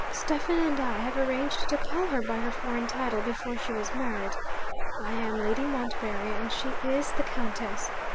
Stephen and I have arranged to call her by her foreign title, before she was married. I am "Lady Montbarry," and she is "the Countess."